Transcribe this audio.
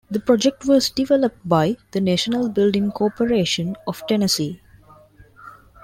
The project was developed by the National Building Corporation of Tennessee.